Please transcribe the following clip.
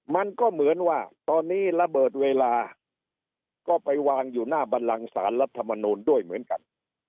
มันก็เหมือนว่าตอนนี้ระเบิดเวลาก็ไปวางอยู่หน้าบันลังสารรัฐมนูลด้วยเหมือนกัน